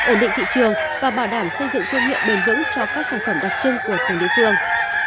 ổn định thị trường và bảo đảm xây dựng tuyên hiệu bền vững cho các sản phẩm đặc trưng của tầng địa tương